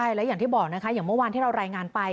และอย่างที่บอกนะคะอย่างเมื่อวานที่เรารายงานไป